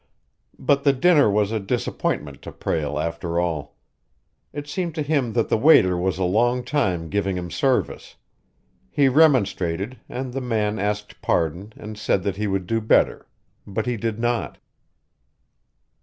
But the dinner was a disappointment to Prale after all. It seemed to him that the waiter was a long time giving him service. He remonstrated, and the man asked pardon and said that he would do better, but he did not.